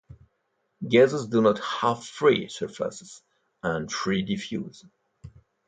Gases do not have free surfaces, and freely diffuse.